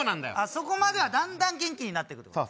そこまではだんだん元気になってくってこと